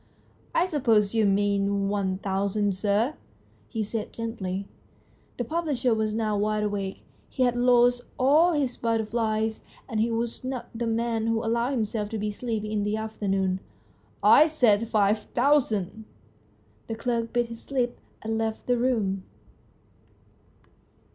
" I suppose you mean one thousand, sir ?" he said gently. The publisher was now wide awake. He had lost all his butter flies, and he was not the man to allow himself to be sleepy in the afternoon. " I said five thousand !" The clerk bit his lip and left the room.